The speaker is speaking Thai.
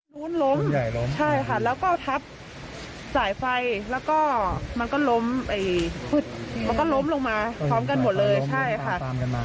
ลุ้นล้มแล้วก็ทับสายไฟแล้วก็มันก็ล้มลงมาพร้อมกันหมดเลยใช่ค่ะ